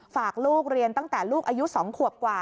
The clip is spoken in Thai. ฝากลูกเรียนตั้งแต่ลูกอายุ๒ขวบกว่า